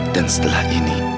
dan setelah ini